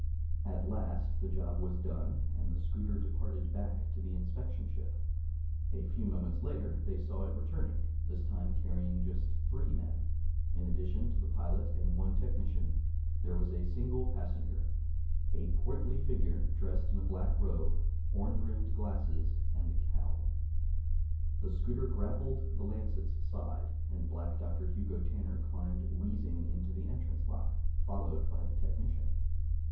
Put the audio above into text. At last the job was done, and the scooter departed back to the inspection ship. A few moments later they saw it returning, this time carrying just three men. In addition to the pilot and one technician, there was a single passenger: a portly figure dressed in a black robe, horn rimmed glasses and cowl. The scooter grappled the Lancet's side, and Black Doctor Hugo Tanner climbed wheezing into the entrance lock, followed by the technician.